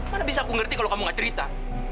mana bisa aku ngerti kalau kamu gak cerita